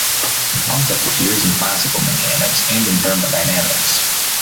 The concept appears in classical mechanics and in thermodynamics.